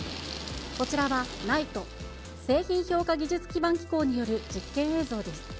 こちらはＮＩＴＥ・製品評価技術基盤機構による実験映像です。